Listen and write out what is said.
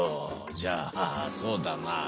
じゃあそうだな。